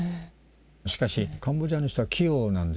しかしカンボジアの人は器用なんですね。